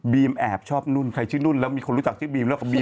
แอบชอบนุ่นใครชื่อนุ่นแล้วมีคนรู้จักชื่อบีมแล้วก็บีม